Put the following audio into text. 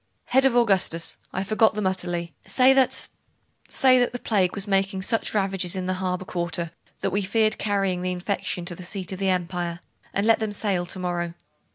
'Head of Augustus! I forgot them utterly. Say that say that the plague was making such ravages in the harbour quarter that we feared carrying the infection to the seat of the empire; and let them sail to morrow.